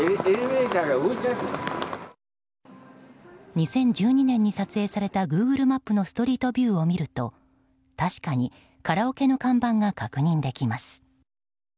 ２０１２年に撮影されたグーグルマップのストリートビューを見ると確かにカラオケの看板が確認できます。